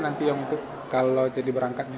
dan nanti yang untuk kalau jadi berangkatnya